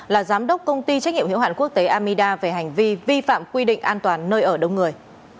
là giám đốc công ty trách nhiệm hiệu hạn quốc tế amida về hành vi vi phạm quy định an toàn nơi ở đông người